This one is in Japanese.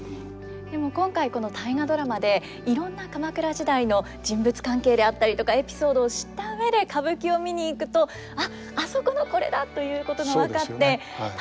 でも今回この「大河ドラマ」でいろんな鎌倉時代の人物関係であったりとかエピソードを知った上で歌舞伎を見に行くと「あっあそこのこれだ」ということが分かって楽しいでしょうね。